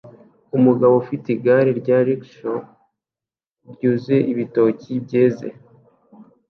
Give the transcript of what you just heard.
Umugabo ufite igare rya rickshaw ryuzuye ibitoki byeze